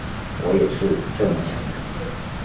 我也是这么想的